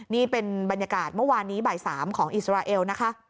นี่เป็นบรรยากาศเมื่อวานนี้บ่าย๓ของอิสราเอลนะคะ